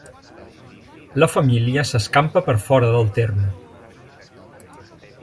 La família s'escampa per fora del terme.